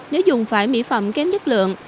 nếu dùng phải mỹ phẩm kém chất lượng